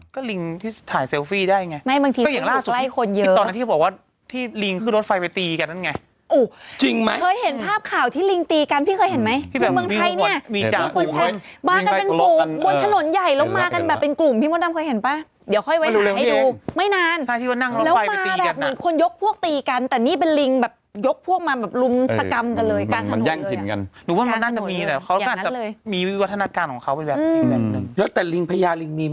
มีตัวเดียวตัวอย่างลิงทุกตัวเนี่ยวิ่งมาหาหายไปหมดเลยนี่